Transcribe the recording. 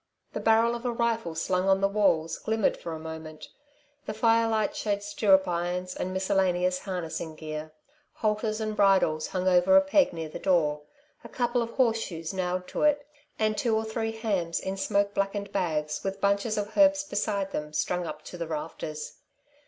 The barrel of a rifle slung on the walls glimmered for a moment; the firelight showed stirrup irons and miscellaneous harnessing gear, halters and bridles hung over a peg near the door, a couple of horse shoes nailed to it, and two or three hams in smoke blackened bags with bunches of herbs beside them, strung up to the rafters.